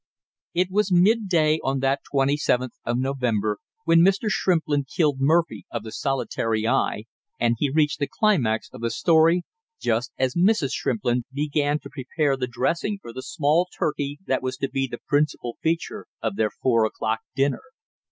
It was midday on that twenty seventh of November when Mr. Shrimplin killed Murphy of the solitary eye, and he reached the climax of the story just as Mrs. Shrimplin began to prepare the dressing for the small turkey that was to be the principal feature of their four o'clock dinner.